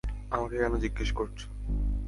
আমাকে কেন জিজ্ঞেস করছ?